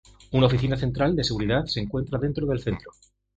Una Oficina Central de Seguridad se encuentra dentro del centro.